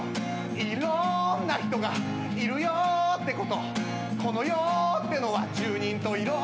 「いろんな人がいるよってこと」「この世ってのは十人十色ってこと」